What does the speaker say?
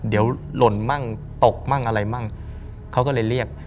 เดี๋ยวหล่นมั่งตกมั่งอะไรมั่งเขาก็เลยเรียก